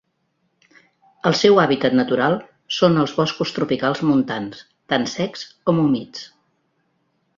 El seu hàbitat natural són els boscos tropicals montans, tant secs com humits.